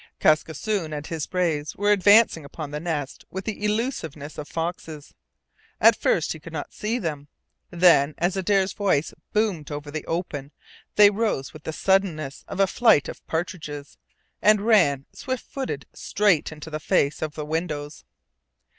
Kaskisoon and his braves were advancing upon the Nest with the elusiveness of foxes. At first he could not see them. Then, as Adare's voice boomed over the open, they rose with the suddenness of a flight of partridges, and ran swift footed straight in the face of the windows.